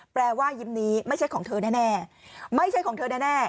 ว่ายิ้มนี้ไม่ใช่ของเธอแน่ไม่ใช่ของเธอแน่